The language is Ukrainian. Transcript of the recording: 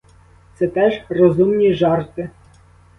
Це теж розумні жарти.